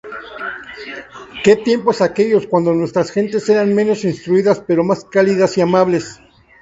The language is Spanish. Que tiempos aquellos cuando nuestras gentes eran menos instruidas pero más cálidas y amables.